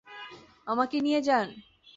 আমাকে নিয়ে যান।